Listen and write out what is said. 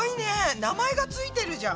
名前が付いてるじゃん！